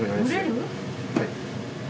はい。